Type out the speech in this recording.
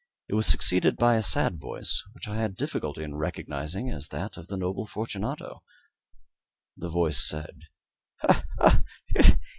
It was succeeded by a sad voice, which I had difficulty in recognizing as that of the noble Fortunato. The voice said "Ha! ha! ha!